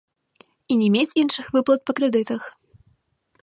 І не мець іншых выплат па крэдытах.